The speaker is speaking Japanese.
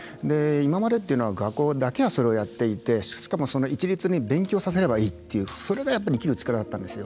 今までというのは学校だけが、それをやっていてしかもその一律に勉強させればいいというそれが生きる力だったんですよ。